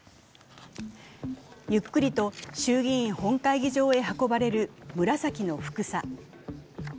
ゆっくりと衆議院本会議場へ運ばれる紫のふくさ。